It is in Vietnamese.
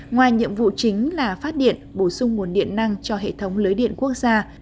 ngoài nhiệm vụ chính là phát điện bổ sung nguồn điện năng cho hệ thống lưới điện quốc gia